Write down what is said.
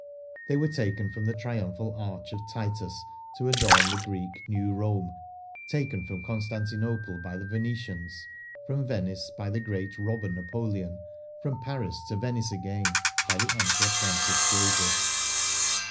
They were taken from the Triumphal Arch of Titus to adorn the Greek " New Rome,"" taken from Constantinople by the Venetians, from Venice by the great robber Napoleon, from Paris to Venice again by the Emperor Francis Joseph.